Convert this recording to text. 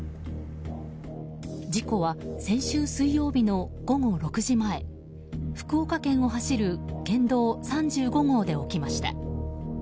事故は先週水曜日の午後６時前福岡県を走る県道３５号で起きました。